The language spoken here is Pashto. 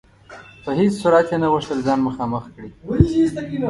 په هیڅ صورت یې نه غوښتل ځان مخامخ کړي.